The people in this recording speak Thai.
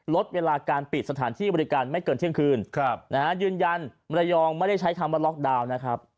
ลดเวลาการปิดสถานที่บริการไม่เกินเที่ยงคืนยืนยันมรยองไม่ได้ใช้คำว่าล็อกดาวน์นะครับ